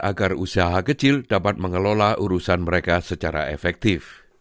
agar usaha kecil dapat mengelola urusan mereka secara efektif